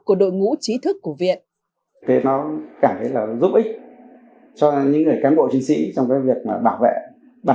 của đội ngũ trí thức của viện